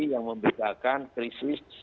yang membedakan krisis